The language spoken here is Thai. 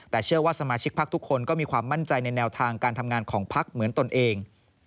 แต่เชื่อว่าสมาชิกพักทุกคนก็มีความมั่นใจในแนวทางการทำงานของพักเหมือนตนเอง